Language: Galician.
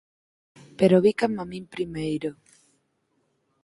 Pero bícame a min primeiro.